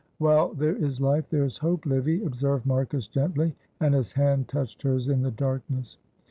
"While there is life there is hope, Livy," observed Marcus, gently; and his hand touched hers in the darkness.